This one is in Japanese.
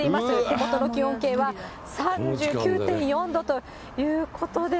手元の気温計は、３９．４度ということで。